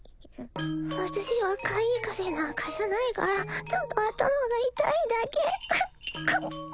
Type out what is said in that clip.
私は怪異風邪なんかじゃないからちょっと頭が痛いだけコンコン！